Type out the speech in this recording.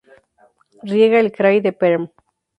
Riega el krai de Perm.